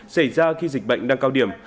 xảy ra khi dịch bệnh đang cao điểm